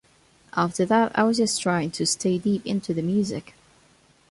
After that I was just trying to stay deep into the music.